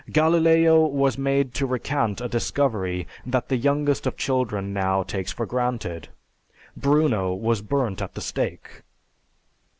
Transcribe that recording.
Galileo was made to recant a discovery that the youngest of children now takes for granted. Bruno was burnt at the stake.